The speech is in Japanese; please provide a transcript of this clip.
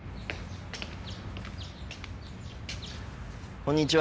こんにちは。